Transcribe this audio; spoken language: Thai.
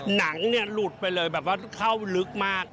หนังเนี่ยหลุดไปเลยแบบว่าเข้าลึกมาก